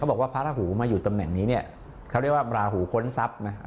บอกว่าพระราหูมาอยู่ตำแหน่งนี้เนี่ยเขาเรียกว่าราหูค้นทรัพย์นะ